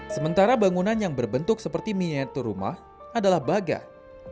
sementara bangunan yang berbentuk seperti minyak terumah adalah bagah